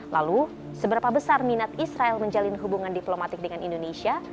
lalu seberapa besar minat israel menjalin hubungan diplomatik dengan indonesia